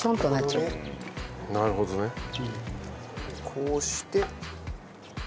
こうして。